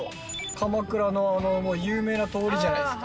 鎌倉の有名な通りじゃないですか。